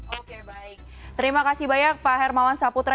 oke baik terimakasih banyak pak hermawan saputra